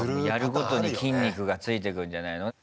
やるごとに筋肉がついてくんじゃないの。